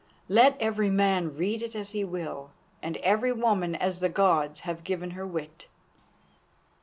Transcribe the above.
Let every man read it as he will, and every woman as the Gods have given her wit.